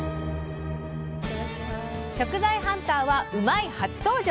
食材ハンターは「うまいッ！」初登場！